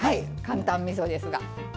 簡単みそですが。